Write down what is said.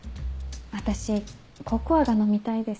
私ココアが飲みたいです。